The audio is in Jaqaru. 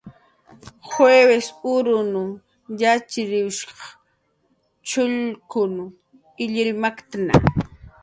Juivis uruq yatxchiriwshq chullkun illir maktna